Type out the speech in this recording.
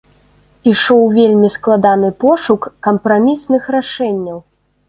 Ішоў вельмі складаны пошук кампрамісных рашэнняў.